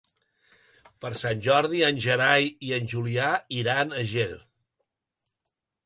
Per Sant Jordi en Gerai i en Julià iran a Ger.